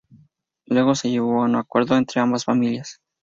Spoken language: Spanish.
Luego se llegó a un acuerdo entre ambas familias.